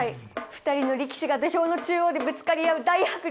２人の力士が土俵の中央でぶつかり合う大迫力。